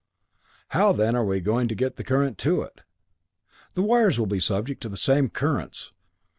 "How then are we going to get the current to it? The wires will be subject to the same currents.